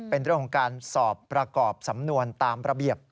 เป็นเรื่องของการสอบประกอบสำนวนตามระเบียบ